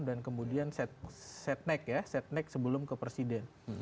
dan kemudian setnek ya setnek sebelum ke presiden